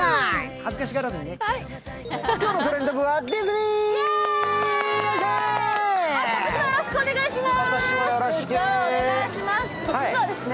恥ずかしがらずにね。